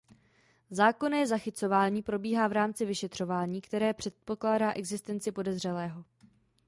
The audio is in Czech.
Zákonné zachycování probíhá v rámci vyšetřování, které předpokládá existenci podezřelého.